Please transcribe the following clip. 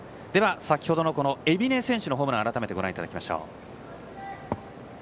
先程の海老根選手のホームランを改めてご覧いただきます。